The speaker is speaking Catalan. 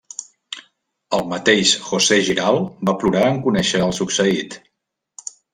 El mateix José Giral va plorar en conèixer el succeït.